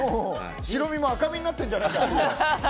白身も赤身になってんじゃないの。